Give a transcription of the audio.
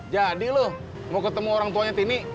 jadi lo mau ketemu orang tuanya tini